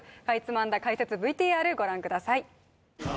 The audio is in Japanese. かいつまんだ解説ＶＴＲご覧ください